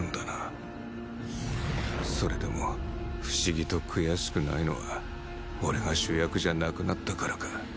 それでも不思議と悔しくないのは俺が主役じゃなくなったからか